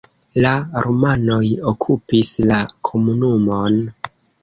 La rumanoj okupis la komunumon.